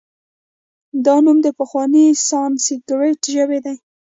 دا نوم د پخوانۍ سانسکریت ژبې دی